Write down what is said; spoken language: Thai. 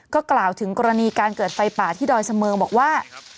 ก็กล่าวถึงกรณีการเกิดไฟป่าที่ดอยเสมิงบอกว่า